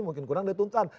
mungkin kurang dari tuntutan